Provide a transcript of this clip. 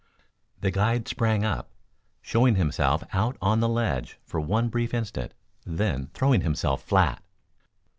The guide sprang up, showing himself out on the ledge for one brief instant then throwing himself flat.